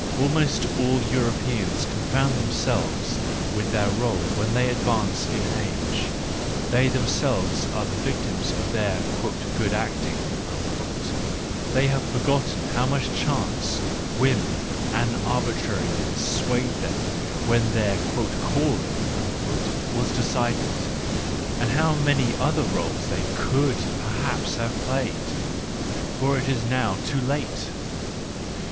Almost all Europeans confound themselves with their r61e when they advance in age; they themselves are the victims of their "good acting," they have forgotten how much chance, whim and arbitrariness swayed them when their "calling" was decided—and how many other r61es they could perhaps have played : for it is now too late!